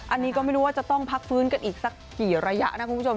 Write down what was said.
อันนี้ก็ไม่รู้ว่าจะต้องพักฟื้นกันอีกสักกี่ระยะนะคุณผู้ชม